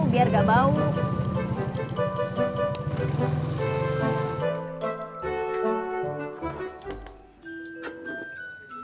biar gak bau